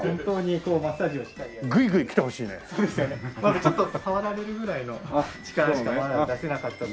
ちょっと触られるぐらいの力しかまだ出せなかったり。